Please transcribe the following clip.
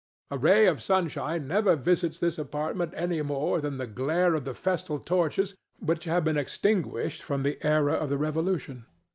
A ray of sunshine never visits this apartment any more than the glare of the festal torches which have been extinguished from the era of the Revolution.